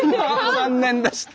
残念でした。